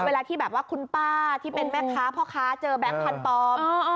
เวลาที่แบบว่าคุณป้าที่เป็นแม่ค้าพ่อค้าเจอแบงค์พันธุ์ปลอม